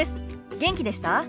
元気でした？